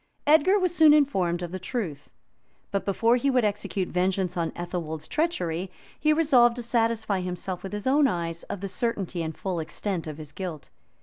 Edgar was soon informed of the truth; but before he would execute vengeance on Athelwold's treachery, he resolved to satisfy himself, with his own eyes, of the certainty and full extent of his guilt.